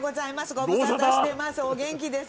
ご無沙汰してます。